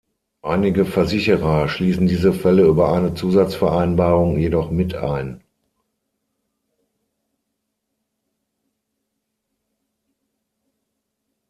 Einige Versicherer schließen diese Fälle über eine Zusatzvereinbarung jedoch mit ein.